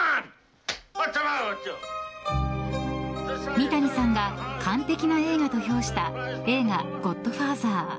三谷さんが完璧な映画と評した映画「ゴッドファーザー」。